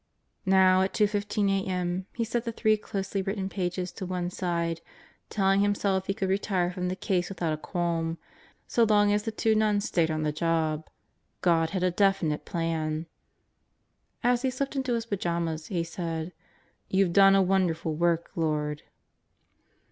Now at 2:15 a.m. he set the three closely written pages to one side, telling himself he could retire from the case without a qualm, so long as the two nuns stayed on the job. God had a definite plan. As he slipped into his pajamas he said: "You've done a wonder ful work, Lord."